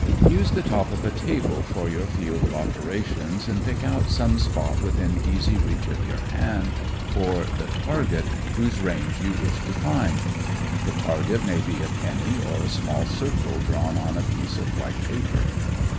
Use the top of a table for your field of operations, and pick out some spot within easy reach of your hand for the target whose range you wish to find. The target may be a penny or a small circle drawn on a piece of white paper.